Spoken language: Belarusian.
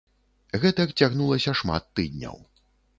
Гэтак цягнулася шмат тыдняў.